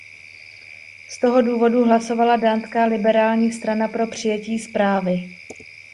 Z toho důvodu hlasovala Dánská liberální strana pro přijetí zprávy.